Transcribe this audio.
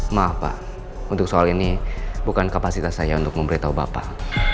maaf pak untuk soal ini bukan kapasitas saya untuk memberitahu bapak